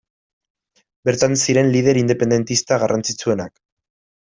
Bertan ziren lider independentista garrantzitsuenak.